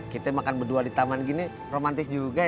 kita makan berdua di taman gini romantis juga